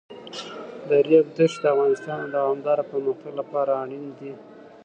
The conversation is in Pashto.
د ریګ دښتې د افغانستان د دوامداره پرمختګ لپاره اړین دي.